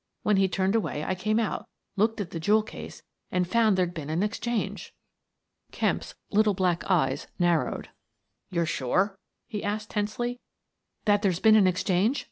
When he'd turned away I came out, looked at the jewel case, and found there'd been an ex change." Kemp's little black eyes narrowed. "You're sure?" he asked, tensely. "That there's been an exchange?